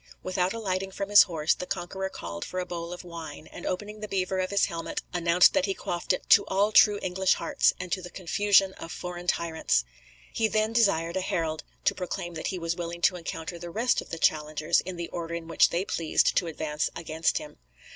Without alighting from his horse, the conqueror called for a bowl of wine, and, opening the beaver of his helmet, announced that he quaffed it "To all true English hearts, and to the confusion of foreign tyrants." He then desired a herald to proclaim that he was willing to encounter the rest of the challengers in the order in which they pleased to advance against him.